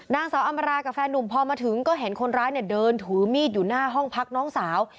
นางสาวอำรากับแฟนนุ่มพอมาถึงก็เห็นคนร้ายเนี่ยเดินถือมีดอยู่หน้าห้องพักน้องสาว